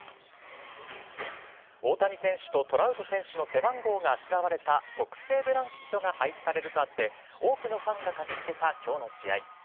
大谷選手とトラウト選手の背番号があしらわれた特製ブランケットが配布されるとあって多くのファンが駆けつけた今日の試合。